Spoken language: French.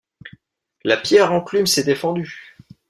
La pierre enclume s’était fendue.